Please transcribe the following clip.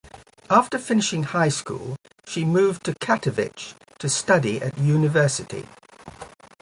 After finishing high school she moved to Katowice to study at university.